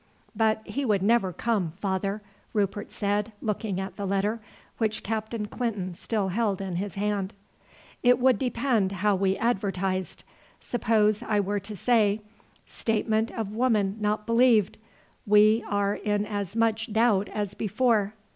"But he would never come, father," Rupert said, looking at the letter, which Captain Clinton still held in his hand. "It would depend how we advertised. Suppose I were to say, 'Statement of woman not believed; we are in as much doubt as before.'"